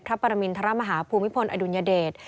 ปรมินทรมาฮาภูมิพลอดุลยเดช